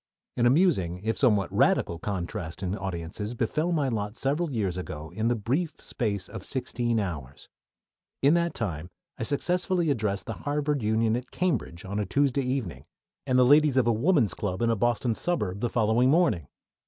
An amusing, if somewhat radical, contrast in audiences befell my lot several years ago in the brief space of sixteen hours. In that time I successively addressed the Harvard Union at Cambridge on a Tuesday evening, and the ladies of a Woman's Club in a Boston suburb the following morning.